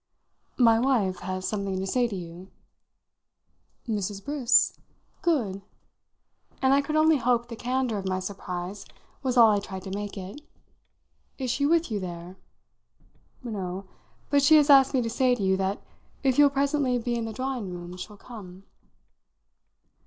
"My wife has something to say to you." "Mrs. Briss? Good!" and I could only hope the candour of my surprise was all I tried to make it. "Is she with you there?" "No, but she has asked me to say to you that if you'll presently be in the drawing room she'll come."